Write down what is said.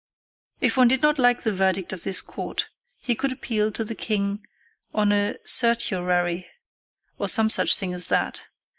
] If one did not like the verdict of this court, he could appeal to the king on a certiorari or some such thing as that.